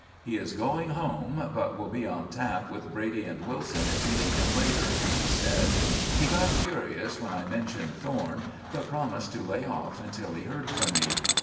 "He is going home, but will be on tap with Brady and Wilson if we need him later," he said. "He got curious when I mentioned Thorne, but promised to lay off until he heard from me.